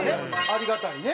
ありがたいね。